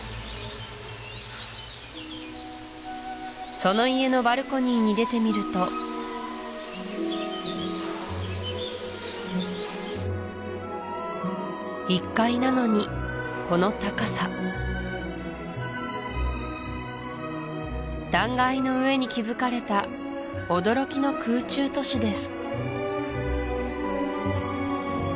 その家のバルコニーに出てみると１階なのにこの高さ断崖の上に築かれた驚きの空中都市です